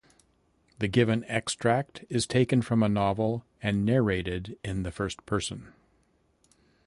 The given extract is taken from a novel and narrated in the first person.